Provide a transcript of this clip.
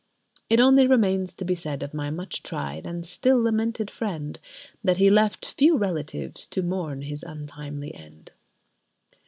It only remains to be said of my much tried and still lamented friend, that he left few relatives to mourn his untimely end.